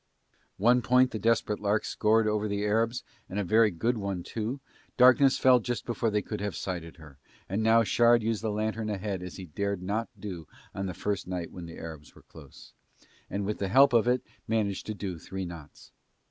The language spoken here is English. One point the Desperate Lark scored over the Arabs and a very good one too, darkness fell just before they could have sighted her and now Shard used the lantern ahead as he dared not do on the first night when the Arabs were close, and with the help of it managed to do three knots.